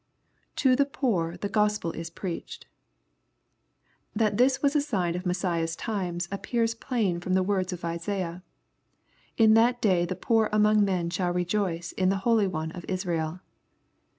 [To the poor the Oospd is preached.] That this was a sign of Messiah's times appears plain from the words of Isaiah :*' In that day the poor among men shall rejoice in the holy one of Israel.'